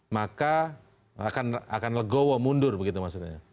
maka akan legowo mundur begitu maksudnya